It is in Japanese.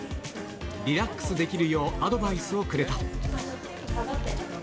リラックスできるようアドバイスをくれた。